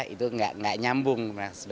itu tidak menyambung